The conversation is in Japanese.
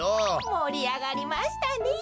もりあがりましたねえ。